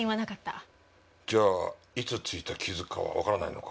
じゃあいつついた傷かはわからないのか？